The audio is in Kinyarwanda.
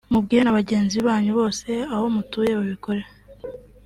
mubwire na bagenzi banyu bose aho mutuye babikore